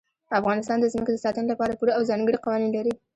افغانستان د ځمکه د ساتنې لپاره پوره او ځانګړي قوانین لري.